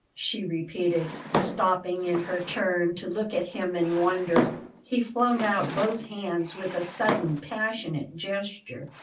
she repeated, stopping in her turn to look at him in wonder. He flung out both hands with a sudden, passionate gesture.